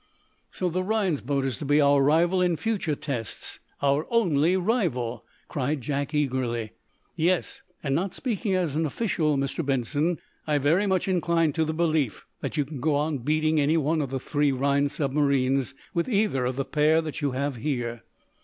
"So the Rhinds boat is to be our rival in future tests our only rival?" cried Jack, eagerly. "Yes, and not speaking as an official, Mr. Benson I very much incline to the belief that you can go on beating any one of the three Rhinds submarines with either of the pair that you have here.